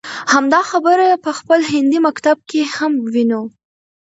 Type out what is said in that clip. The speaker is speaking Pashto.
همدا خبره په خپل هندي مکتب کې هم وينو.